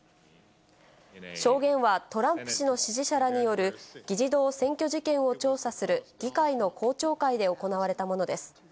証言はトランプ氏の支持者らによる議事堂占拠事件を調査する議会の公聴会で行われたものです。